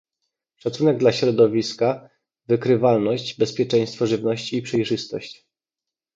szacunek dla środowiska, wykrywalność, bezpieczeństwo żywności i przejrzystość